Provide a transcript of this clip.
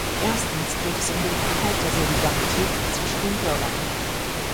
Erstens geht es um den Erhalt der Solidarität zwischen den Bürgern.